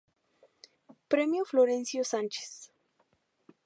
Premio Florencio Sanchez.